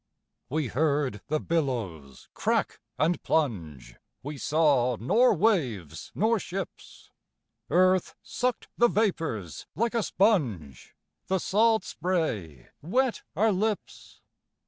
We heard the billows crack and plunge, We saw nor waves nor ships. Earth sucked the vapors like a sponge, The salt spray wet our lips.